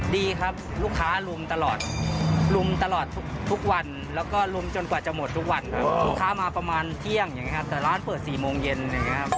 ดีครับลูกค้าลุมตลอดลุมตลอดทุกวันแล้วก็ลุมจนกว่าจะหมดทุกวันครับลูกค้ามาประมาณเที่ยงอย่างนี้ครับแต่ร้านเปิด๔โมงเย็นอะไรอย่างนี้ครับ